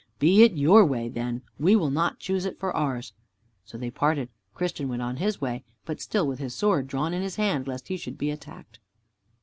"Be it your way, then; we will not choose it for ours." So they parted. Christian went on his way, but still with his sword drawn in his hand, lest he should be attacked.